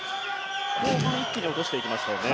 後半一気に落としていきましたよね。